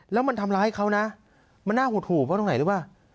แล้วมันทำร้ายเขานะมันหน้าหูดหูบว่าตรงไหนหรือเปล่า